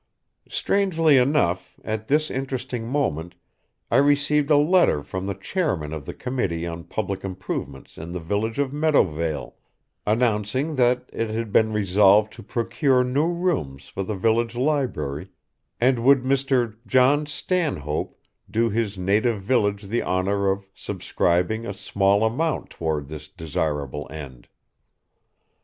Strangely enough, at this interesting moment, I received a letter from the chairman of the committee on public improvements in the village of Meadowvale, announcing that it had been resolved to procure new rooms for the village library, and would Mr. John Stanhope do his native village the honor of subscribing a small amount toward this desirable end.